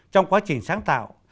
trong quá trình sáng tạo